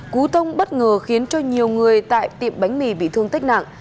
cú tông bất ngờ khiến cho nhiều người tại tiệm bánh mì bị thương tích nặng